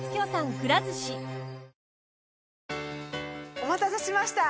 お待たせしました